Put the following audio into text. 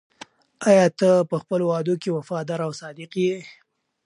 آیا ته په خپلو وعدو کې وفادار او صادق یې؟